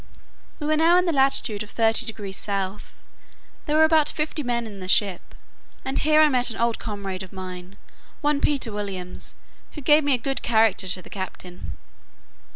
We were now in the latitude of 30 degrees south; there were about fifty men in the ship; and here I met an old comrade of mine, one Peter Williams, who gave me a good character to the captain.